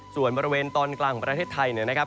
ส่วนบริเวณตอนกลางของประเทศไทย